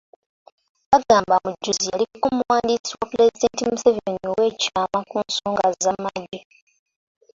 Bagamba Mujuzi yaliko omuwandiisi wa Pulezidenti Museveni oweekyama ku nsonga z’amagye.